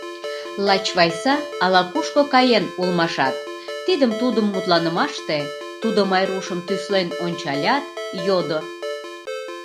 Лач Вайса ала-кушко каен улмашат, тидым-тудым мутланымаште тудо Майрушым тӱслен ончалят, йодо: